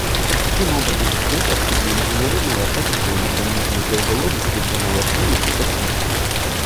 Таким образом, реестр судей Международного остаточного механизма для уголовных трибуналов полностью составлен.